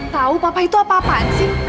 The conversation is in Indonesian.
tahu papa itu apa apaan sih